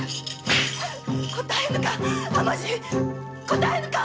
答えぬか！